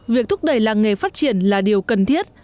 việc thúc đẩy làng nghề phát triển là điều cần thiết